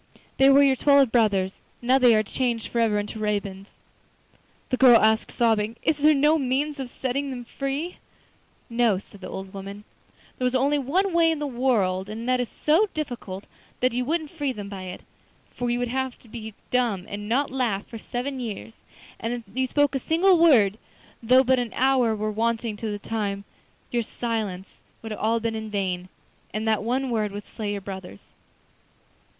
They were your twelve brothers. Now they are changed for ever into ravens.' The girl asked, sobbing: 'Is there no means of setting them free?' 'No,' said the old woman, 'there is only one way in the whole world, and that is so difficult that you won't free them by it, for you would have to be dumb and not laugh for seven years, and if you spoke a single word, though but an hour were wanting to the time, your silence would all have been in vain, and that one word would slay your brothers.